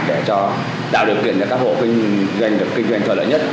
để cho đạo điều kiện cho các hộ kinh doanh được kinh doanh thuận lợi nhất